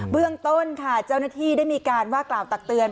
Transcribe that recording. เรื่องต้นค่ะเจ้าหน้าที่ได้มีการว่ากล่าวตักเตือน